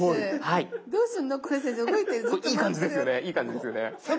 いい感じですよね。